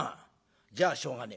じゃあしょうがねえ。